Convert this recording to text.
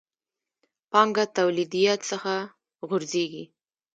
پانګه توليديت څخه غورځېږي.